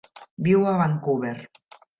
Viu a Vancouver.